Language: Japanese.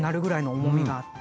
重みがあって。